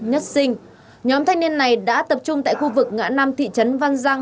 nhất sinh nhóm thanh niên này đã tập trung tại khu vực ngã năm thị trấn văn giang